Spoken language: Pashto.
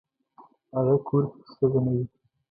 هغه کور کې چې ښځه نه وي.